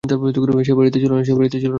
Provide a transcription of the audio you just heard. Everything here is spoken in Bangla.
সে বাড়িতে ছিল না।